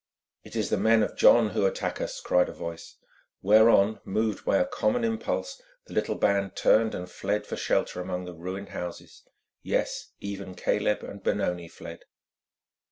"It is the men of John who attack us," cried a voice, whereon, moved by a common impulse, the little band turned and fled for shelter among the ruined houses; yes, even Caleb and Benoni fled.